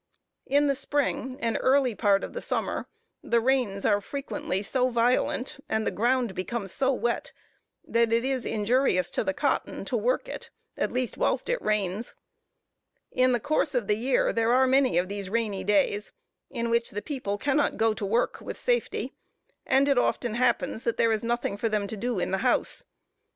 In the spring and early parts of the summer, the rains are frequently so violent, and the ground becomes so wet, that it is injurious to the cotton to work it, at least whilst it rains. In the course of the year there are many of these rainy days, in which the people cannot go to work with safety; and it often happens that there is nothing for them to do in the house.